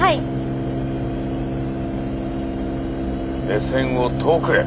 目線を遠くへ！